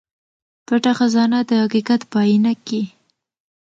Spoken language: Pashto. پټه خزانه د حقيقت په اينه کې